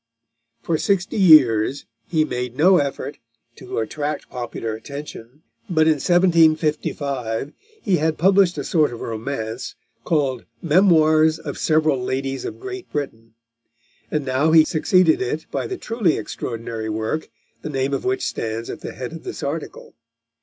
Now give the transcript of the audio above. For sixty years he had made no effort to attract popular attention, but in 1755 he had published a sort of romance, called Memoirs of Several Ladies of Great Britain, and now he succeeded it by the truly extraordinary work, the name of which stands at the head of this article.